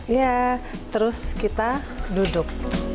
ya terus kita duduk